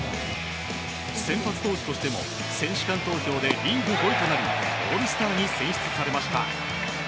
先発投手としても選手間投票でリーグ５位となるオールスターに選出されました。